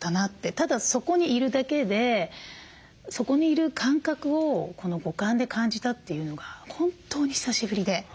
ただそこにいるだけでそこにいる感覚をこの五感で感じたというのが本当に久しぶりで。